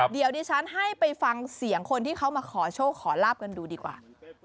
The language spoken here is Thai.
เดี๋ยวดิฉันให้ไปฟังเสียงคนที่เขามาขอโชคขอลาบกันดูดีกว่า